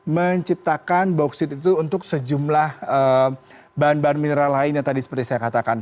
menciptakan boksit itu untuk sejumlah bahan bahan mineral lainnya tadi seperti saya katakan